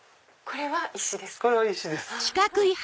これは石です。